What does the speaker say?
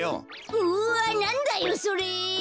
うわなんだよそれ。